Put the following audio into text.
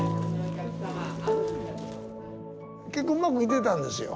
結構うまくいってたんですよ。